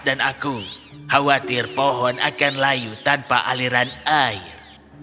dan aku khawatir pohon akan layu tanpa aliran air